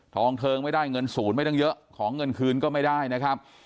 เทิงไม่ได้เงินศูนย์ไม่ต้องเยอะขอเงินคืนก็ไม่ได้นะครับ